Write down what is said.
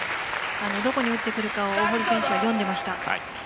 どこに打ってくるかを大堀選手は読んでいました。